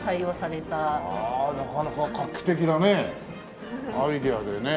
なかなか画期的なねアイデアでね。